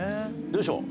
どうでしょう？